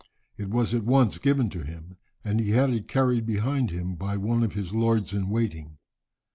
It was at once given to him, and he had it carried behind him by one of his lords in waiting.